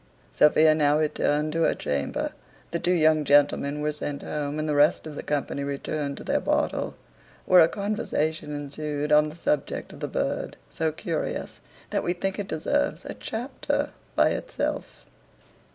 Sophia now returned to her chamber, the two young gentlemen were sent home, and the rest of the company returned to their bottle; where a conversation ensued on the subject of the bird, so curious, that we think it deserves a chapter by itself.